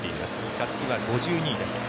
勝木は５２位です。